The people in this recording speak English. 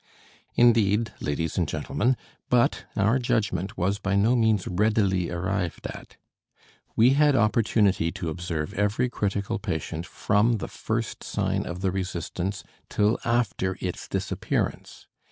Indeed, ladies and gentlemen, but our judgment was by no means readily arrived at. We had opportunity to observe every critical patient from the first sign of the resistance till after its disappearance.